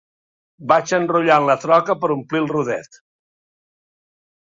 Vaig enrotllant la troca per omplir el rodet.